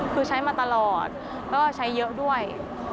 คือใช้มาตลอดแล้วก็ใช้เยอะด้วย